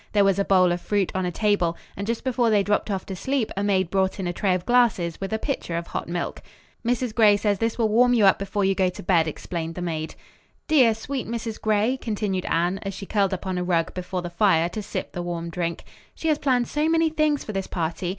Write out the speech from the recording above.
There was a bowl of fruit on a table, and just before they dropped off to sleep a maid brought in a tray of glasses with a pitcher of hot milk. "Mrs. Gray says this will warm you up before you go to bed," explained the maid. "Dear, sweet Mrs. Gray," continued Anne, as she curled up on a rug before the fire to sip the warm drink, "she has planned so many things for this party.